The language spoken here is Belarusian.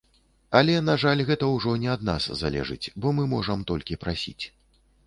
Але, на жаль гэта ўжо не ад нас залежыць, бо мы можам толькі прасіць.